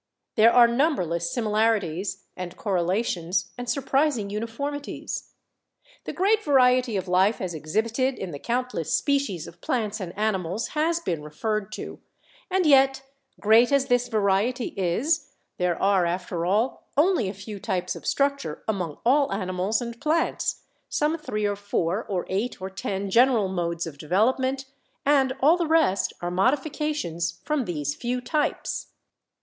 There are numberless similarities and correlations and surprising uniformities. The great variety of life as exhibited in the countless species of plants and animals has been referred to, and yet, great as this variety is, there are, after all, only a few types of structure among all animals and plants, some three or four or eight or ten general modes of development, and all the rest are modifications from these few types.